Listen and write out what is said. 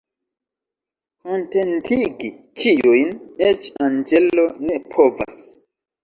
Kontentigi ĉiujn eĉ anĝelo ne povas.